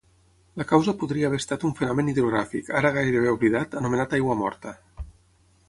La causa podria haver estat un fenomen hidrogràfic, ara gairebé oblidat, anomenat aigua morta.